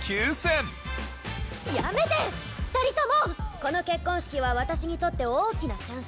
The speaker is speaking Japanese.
この結婚式は私にとって大きなチャンス。